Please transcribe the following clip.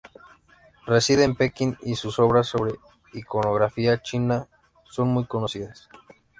Reside en Pekín y sus obras sobre iconografía china son muy conocidas.